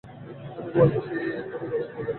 আমি বলছি, এখুনি গড়িয়ে চলে যাও।